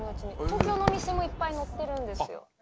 東京のお店もいっぱい載ってるんですよ。